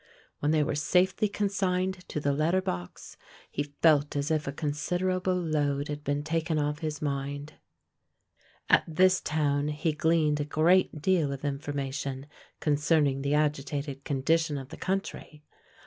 When they were safely consigned to the letter box, he felt as if a considerable load had been taken off his mind. At this town he gleaned a great deal of information concerning the agitated condition of the country.